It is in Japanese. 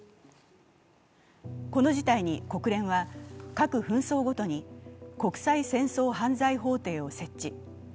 この事態に、国連は、各紛争ごとに国際戦争犯罪法廷を設置。